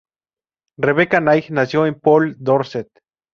Rebecca Night nació en Poole, Dorset.